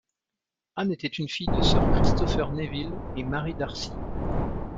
Anne était une fille de Sir Christopher Nevill et Marie Darcy.